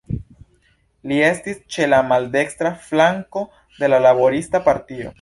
Li estis ĉe la maldekstra flanko de la Laborista Partio.